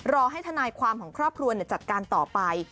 รอให้ทนายความของครอบครัวจัดการต่อไป